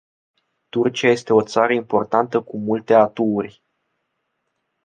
Turcia este o țară importantă cu multe atuuri.